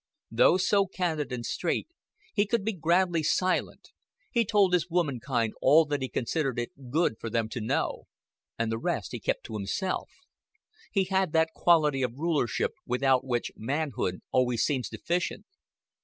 Though so candid and straight, he could be grandly silent; he told his womankind all that he considered it good for them to know, and the rest he kept to himself; he had that quality of rulership without which manhood always seems deficient.